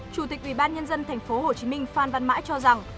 chủ tịch ubnd tp hcm phan văn mãi cho rằng